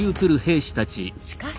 しかし。